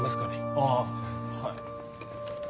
ああはい。